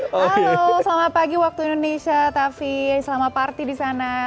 halo selamat pagi waktu indonesia tavi selamat parti di sana